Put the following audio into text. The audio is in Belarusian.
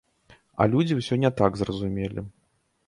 А людзі ўсё не так зразумелі.